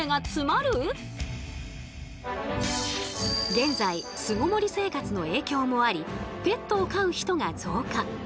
現在巣ごもり生活の影響もありペットを飼う人が増加。